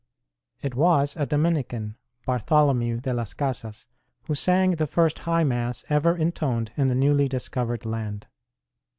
It was a Dominican, Bartholomew de las Casas, who sang the first High Mass ever intoned in the newly discovered land.